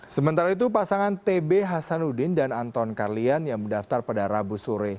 sementara itu pasangan tb hasanuddin dan anton karlian yang mendaftar pada rabu sore